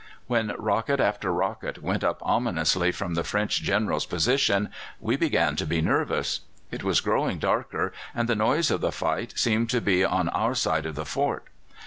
"When rocket after rocket went up ominously from the French General's position we began to be nervous. It was growing darker, and the noise of the fight seemed to be on our side of the fort.